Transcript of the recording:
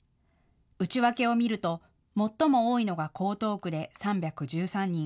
内訳を見ると最も多いのが江東区で３１３人。